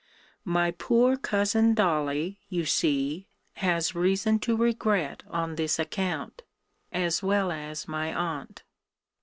My poor cousin Dolly, you see, has reason to regret on this account, as well as my aunt.